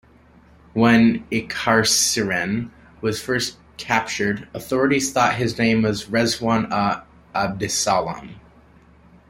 When Ikassrien was first captured authorities thought his name was Reswan A. Abdesalam.